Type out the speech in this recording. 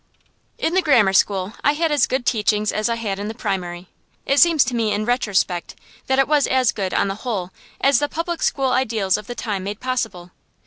In the grammar school I had as good teaching as I had had in the primary. It seems to me in retrospect that it was as good, on the whole, as the public school ideals of the time made possible.